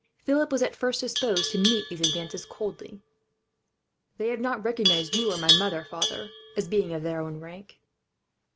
Philip was, at first, disposed to meet these advances coldly. "They have not recognized you or my mother, father, as being of their own rank."